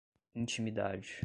intimidade